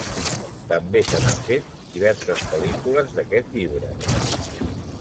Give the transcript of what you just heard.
També se n'ha fet diverses pel·lícules d'aquest llibre.